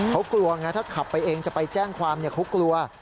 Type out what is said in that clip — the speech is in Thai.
เขากลัวไงถ้าขับไปเองจะไปแจ้งความเขากลัว